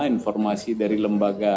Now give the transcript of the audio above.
informasi dari lembaga